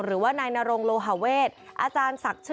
หรือว่านนรงโลหาเวส